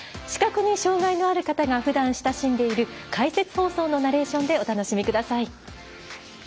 視覚に障がいのある方がふだん親しんでいる解説放送のナレーションでお楽しみください。